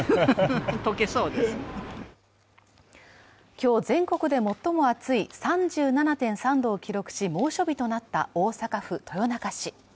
今日、全国で最も暑い３７．３度を記録し猛暑日となった大阪府豊中市。